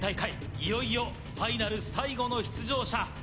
いよいよファイナル最後の出場者。